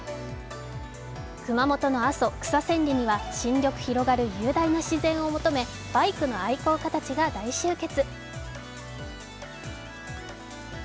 熊本の阿蘇・草千里には新緑広がる雄大な自然を求めバイクの愛好家たちが大集結。